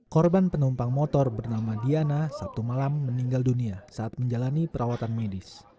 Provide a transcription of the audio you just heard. korban penumpang motor bernama diana sabtu malam meninggal dunia saat menjalani perawatan medis